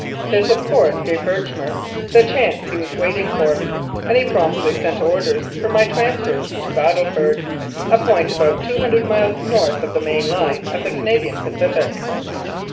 This, of course, gave Herchmer the chance he was waiting for, and he promptly sent orders for my transfer to Battleford, a point about 200 miles north of the main line of the Canadian Pacific.